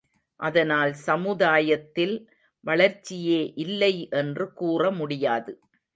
அதனால் சமுதாயத்தில் வளர்ச்சியே இல்லை என்று கூறமுடியாது.